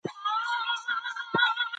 اقتصاد د هېواد د ملا تیر بلل کېږي.